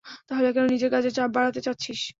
তাহলে কেন নিজের কাজের চাপ বাড়াতে চাচ্ছিস?